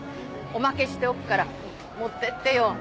おまけしておくから持ってってよ。